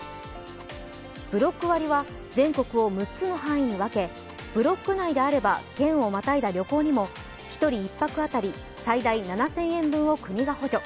ブロック割は全国を６つの範囲に分けブロック内であれば県をまたいだ旅行にも１人１泊当たり最大７０００円分を国が補助。